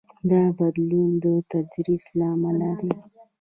دا بدلون د تدریس له امله دی.